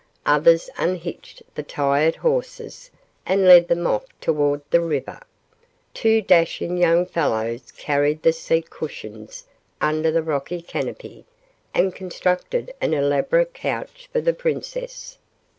Others unhitched the tired horses and led them off toward the river. Two dashing young fellows carried the seat cushions under the rocky canopy and constructed an elaborate couch for the "Princess."